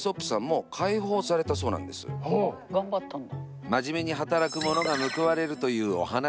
頑張ったんだ。